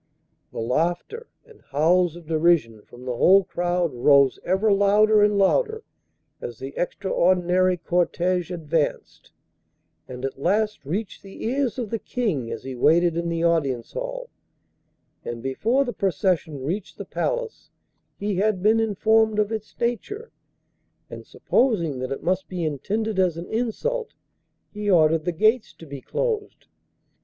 The laughter and howls of derision from the whole crowd rose ever louder and louder as the extraordinary cortege advanced, and at last reached the ears of the King as he waited in the audience hall, and before the procession reached the palace he had been informed of its nature, and, supposing that it must be intended as an insult, he ordered the gates to be closed.